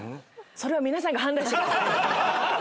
それは皆さんが判断してください。